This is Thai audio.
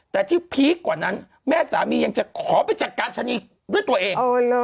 แต่ที่พีคกว่านั้นแม่สามียังจะขอไปจัดการชะนีด้วยตัวเอง